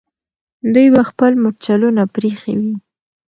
دوی به خپل مرچلونه پرېښي وي.